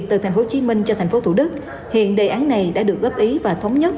từ tp hcm cho tp thủ đức hiện đề án này đã được góp ý và thống nhất